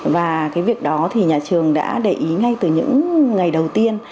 và cái việc đó thì nhà trường đã để ý ngay từ những ngày đầu tiên